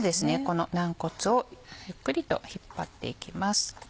この軟骨をゆっくりと引っ張っていきます。